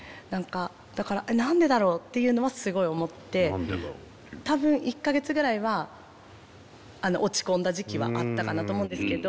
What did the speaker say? だから何でだろうっていうのはすごい思って多分１か月ぐらいは落ち込んだ時期はあったかなと思うんですけど。